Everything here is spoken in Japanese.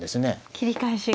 切り返しが。